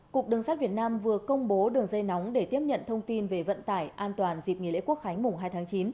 cục đường sát việt nam vừa công bố đường dây nóng để tiếp nhận thông tin về vận tải an toàn dịp nghỉ lễ quốc khánh mùng hai tháng chín